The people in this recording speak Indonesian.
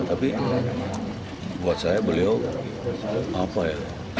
tapi buat saya beliau apa ya